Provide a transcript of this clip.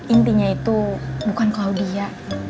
intinya itu bukan claudia